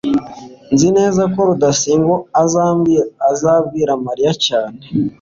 nzi neza ko rudasingwa atazabwira mariya cyane